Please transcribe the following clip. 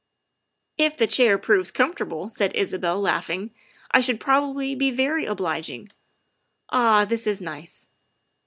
'' If the chair proves comfortable, '' said Isabel, laugh ing, " I shall probably be very obliging. Ah, this is nice.